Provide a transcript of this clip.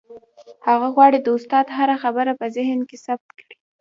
هغه غواړي د استاد هره خبره په ذهن کې ثبت کړي.